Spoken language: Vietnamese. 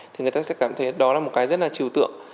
thì người ta sẽ cảm thấy đó là một cái rất là chiều tượng